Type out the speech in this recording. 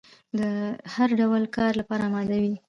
د هر ډول کار لپاره اماده وي.